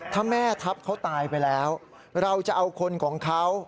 ถ้าแม่ทับเขาตายไปแล้วเราจะเอาคนของเขา